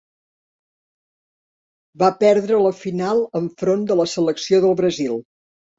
Va perdre la final enfront de la selecció del Brasil.